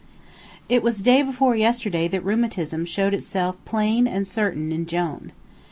It was day before yesterday that rheumatism showed itself certain and plain in Jone.